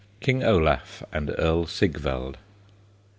KING OLAF AND EARL SIGVALD.